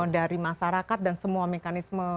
dari masyarakat dan semua mekanisme